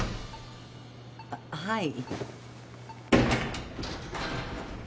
あっはい。